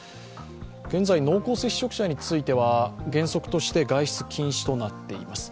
現在、濃厚接触者については原則として外出禁止となっています。